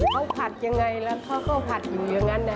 เขาผัดยังไงแล้วเขาก็ผัดอยู่อย่างนั้นนะ